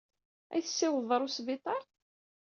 Ad iyi-tessiwḍeḍ ɣer wesbiṭar?